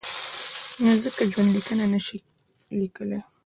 نو ځکه ژوندلیک نشي لیکلای.